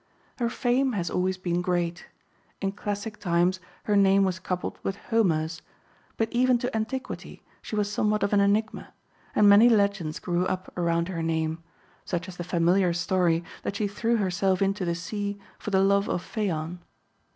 Her fame has always been great; in classic times her name was coupled with Homer's. But even to antiquity she was somewhat of an enigma, and many legends grew up around her name, such as the familiar story that she threw herself into the sea for the love of Phaon.